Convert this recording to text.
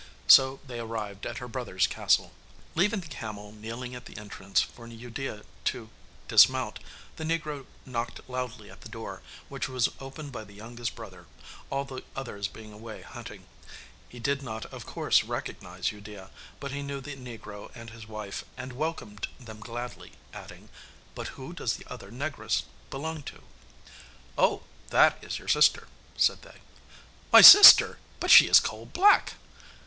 So they arrived at her brothers' castle. Leaving the camel kneeling at the entrance for Udea to dismount, the negro knocked loudly at the door, which was opened by the youngest brother, all the others being away hunting. He did not of course recognise Udea, but he knew the negro and his wife, and welcomed them gladly, adding, 'But who does the other negress belong to?' 'Oh, that is your sister!' said they. 'My sister! but she is coal black!